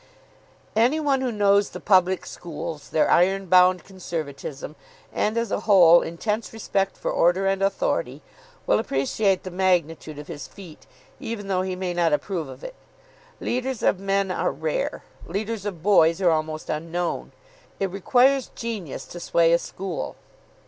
Any one who knows the public schools, their ironbound conservatism, and, as a whole, intense respect for order and authority, will appreciate the magnitude of his feat, even though he may not approve of it. Leaders of men are rare. Leaders of boys are almost unknown. It requires genius to sway a school.